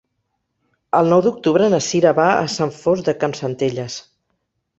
El nou d'octubre na Sira va a Sant Fost de Campsentelles.